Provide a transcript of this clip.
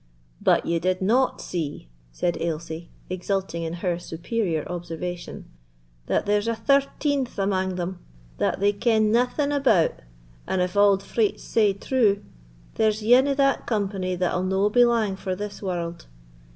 "But ye did not see," said Ailsie, exulting in her superior observation, "that there's a thirteenth amang them that they ken naething about; and, if auld freits say true, there's ane o' that company that'll no be lang for this warld.